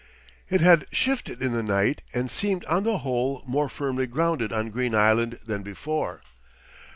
It had shifted in the night and seemed on the whole more firmly grounded on Green Island than before.